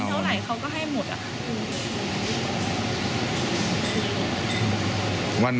ให้ร้อยอะมีเท่าไหร่เขาก็ให้หมดอะให้ร้อย